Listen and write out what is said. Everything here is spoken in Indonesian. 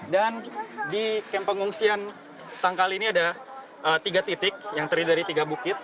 dan di kamp pengungsian tangkal ini ada tiga titik yang terdiri dari tiga bukit